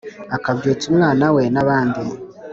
akabyutsa umwana we n'abandi